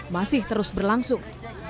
masih terus berlangsung